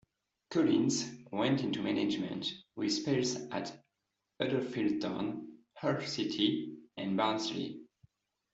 Collins went into management, with spells at Huddersfield Town, Hull City and Barnsley.